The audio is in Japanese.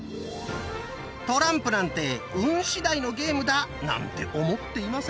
トランプなんて運しだいのゲームだなんて思っていませんか？